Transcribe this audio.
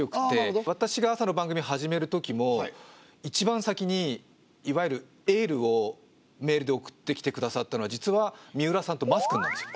私が朝の番組を始めるときも一番先にいわゆるエールをメールで送ってきてくださったのは実は水卜さんと桝くんなんですよ。